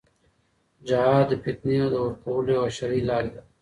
جهاد د فتنې د ورکولو یوه شرعي لار ده.